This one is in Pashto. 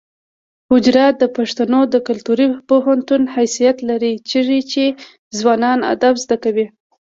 حجره د پښتنو د کلتوري پوهنتون حیثیت لري چیرته چې ځوانان ادب زده کوي.